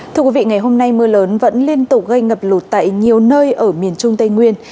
thưa quý vị ngày hôm nay mưa lớn vẫn liên tục gây ngập lụt tại nhiều nơi ở miền trung tây nguyên